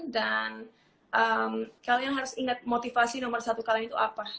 dan kalian harus ingat motivasi nomor satu kalian itu apa